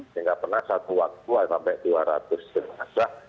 sehingga pernah satu waktu sampai dua ratus jenazah